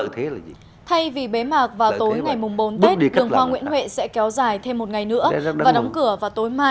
thay vì bế mạc vào tối ngày bốn tết đường hoa nguyễn huệ sẽ kéo dài thêm một ngày nữa và đóng cửa vào tối mai